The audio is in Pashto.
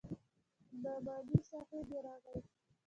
نعماني صاحب چې راغى.